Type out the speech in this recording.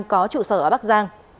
có trụ sở ở bắc giang